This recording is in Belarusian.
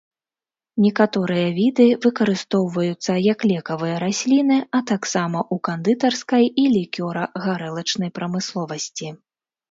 Некаторыя віды выкарыстоўваюцца як лекавыя расліны, а таксама ў кандытарскай і лікёра-гарэлачнай прамысловасці.